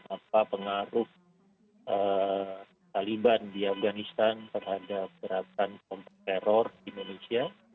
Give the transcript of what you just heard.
apa pengaruh taliban di afganistan terhadap gerakan kelompok teror di indonesia